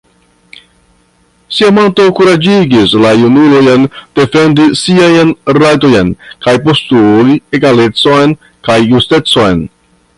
Siamanto kuraĝigis la junulojn defendi siajn rajtojn kaj postuli egalecon kaj justecon.